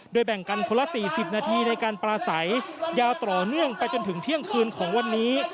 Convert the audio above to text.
แบ่งกันคนละ๔๐นาทีในการปลาใสยาวต่อเนื่องไปจนถึงเที่ยงคืนของวันนี้